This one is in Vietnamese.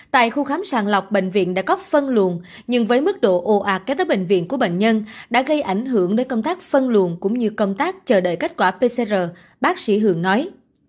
tại khu khám sàng lọc bệnh viện đã có phân luồn nhưng với mức độ ồ ạt kế tới bệnh viện của bệnh nhân đã gây ảnh hưởng đến công tác phân luồn cũng như công tác chờ đợi kết quả pcr bác sĩ hường nói